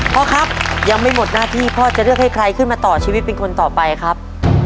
พ่อครับยังไม่หมดหน้าที่พ่อจะเลือกให้ใครขึ้นมาต่อชีวิตเป็นคนต่อไปครับ